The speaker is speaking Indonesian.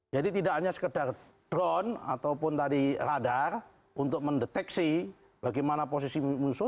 jadi tidak hanya sekedar drone ataupun tadi radar untuk mendeteksi bagaimana posisi musuh